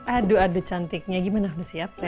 aduh aduh cantiknya gimana sudah siap reina